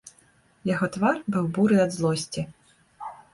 Яго твар буры ад злосці.